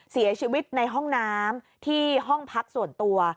เสียชีวิตในห้องน้ำที่ห้องพักส่วนตัว